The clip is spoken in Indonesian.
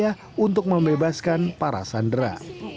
dan upaya untuk membebaskan para sandera